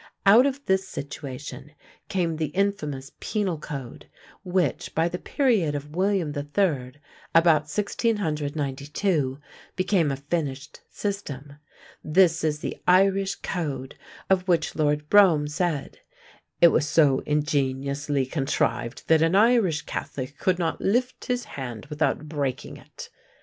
Out of this situation came the infamous Penal Code, which, by the period of William the Third, about 1692, became a finished system. This is the "Irish Code" of which Lord Brougham said: "It was so ingeniously contrived that an Irish Catholic could not lift his hand without breaking it."